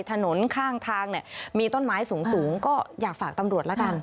ถนนข้างทางเนี่ยมีต้นไม้สูงก็อยากฝากตำรวจแล้วกัน